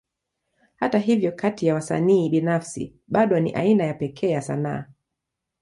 Hata hivyo, kati ya wasanii binafsi, bado ni aina ya pekee ya sanaa.